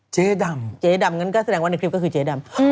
เจ๊ดำอย่างงั้นก็แสดงว่าในคลิปคือเจ๊ดำ